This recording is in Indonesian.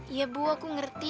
iya bu aku ngerti